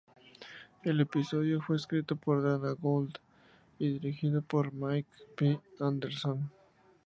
El episodio fue escrito por Dana Gould y dirigido por Mike B. Anderson.